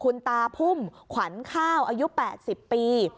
คุณตาพุ่มขวานข้าวอายุแปดสิบปี